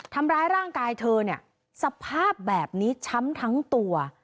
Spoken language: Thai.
ทำร้ายร่างกายเธอเนี่ยสภาพแบบนี้ช้ำทั้งตัว